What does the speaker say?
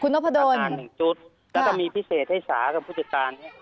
คุณนกพะโดนคุณนกพะโดน๑ชุดแล้วก็มีพิเศษให้สาวกับผู้จัดการ